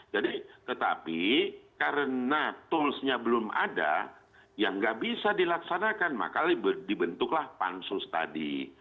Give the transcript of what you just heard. jadi tetapi karena toolsnya belum ada yang nggak bisa dilaksanakan makanya dibentuklah pansus tadi